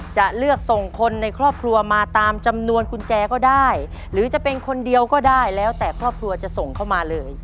จะเลือกส่งคนในครอบครัวมาตามจำนวนกุญแจก็ได้หรือจะเป็นคนเดียวก็ได้แล้วแต่ครอบครัวจะส่งเข้ามาเลย